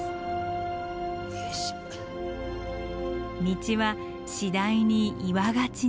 道は次第に岩がちに。